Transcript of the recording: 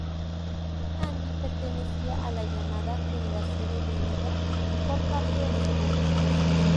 Andy pertenecía a la llamada "generación enemiga" por parte de los punks.